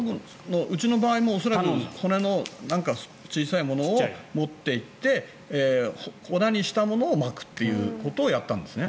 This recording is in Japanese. うちの場合も恐らく骨の小さいものを持って行って粉にしたものをまくということをやったんですね。